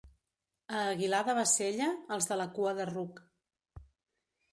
A Aguilar de Bassella, els de la cua de ruc.